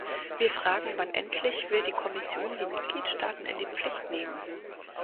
Wir fragen, wann endlich will die Kommission die Mitgliedstaaten in die Pflicht nehmen?